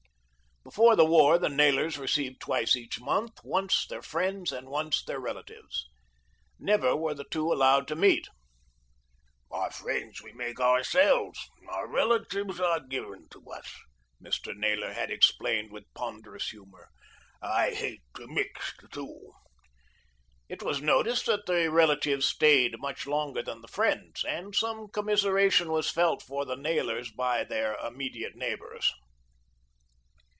Before the war the Naylors received twice each month, once their friends and once their relatives. Never were the two allowed to meet. "Our friends we make ourselves, our relatives are given to us," Mr. Naylor had explained with ponderous humour, "I hate to mix the two." It was noticed that the relatives stayed much longer than the friends, and some commiseration was felt for the Naylors by their immediate neighbours.